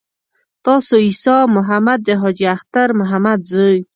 تاسو عیسی محمد د حاجي اختر محمد زوی.